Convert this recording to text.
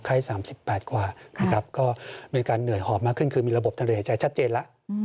๓๘กว่านะครับก็มีการเหนื่อยหอบมากขึ้นคือมีระบบทะเลหายใจชัดเจนแล้ว